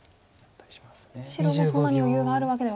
白もそんなに余裕があるわけでは。